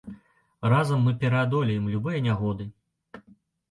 Разам мы пераадолеем любыя нягоды!